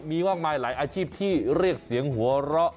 มีมากมายหลายอาชีพที่เรียกเสียงหัวเราะ